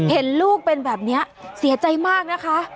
เห็นลูกเป็นแบบนี้เสียใจมากนะคะ